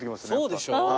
そうでしょ？